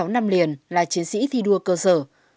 sáu năm liền là chiến sĩ thi đua cơ sở